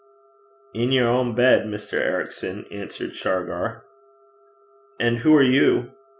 'In yer ain bed, Mr. Ericson,' answered Shargar. 'And who are you?'